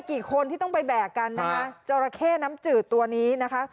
กี่คนที่ต้องไปแบกกันนะคะจราเข้น้ำจืดตัวนี้นะคะ